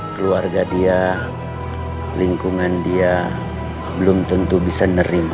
keluarga dia lingkungan dia belum tentu bisa nerima